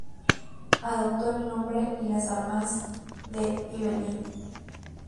Adoptó el nombre y las armas de Ibelín.